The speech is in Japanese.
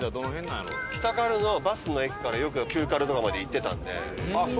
北軽のバスの駅からよく旧軽とかまで行ってたんで。